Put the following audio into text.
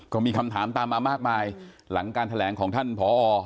ก็มีคำถามตามมามากมายหลังการแถลงของท่านผอ